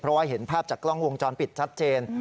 เพราะว่าเห็นภาพจากกล้องวงจรปิดชัดเจน